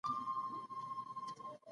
څلور جمع دوه؛ شپږ کېږي.